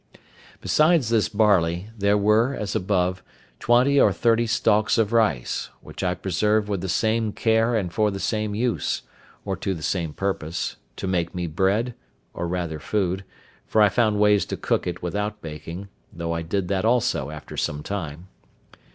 Besides this barley, there were, as above, twenty or thirty stalks of rice, which I preserved with the same care and for the same use, or to the same purpose—to make me bread, or rather food; for I found ways to cook it without baking, though I did that also after some time.